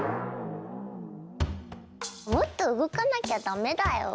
もっと動かなきゃダメだよ！